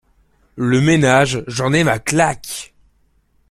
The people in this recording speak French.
Le ménage, j’en ai ma claque!